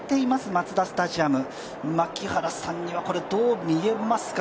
マツダスタジアム、槙原さんにはどう見えますか？